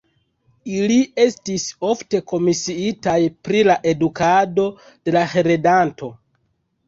Ili estis ofte komisiitaj pri la edukado de la heredanto.